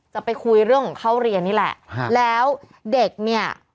จะไปคุยเรื่องของเข้าเรียนนี่แหละฮะแล้วเด็กเนี่ย